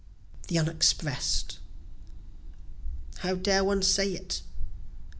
The Unexpress'd How dare one say it?